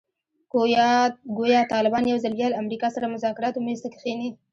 ګویا طالبان یو ځل بیا له امریکا سره مذاکراتو میز ته کښېني.